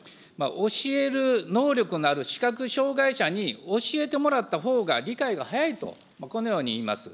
教える能力のある視覚障害者に教えてもらったほうが理解が早いと、このようにいいます。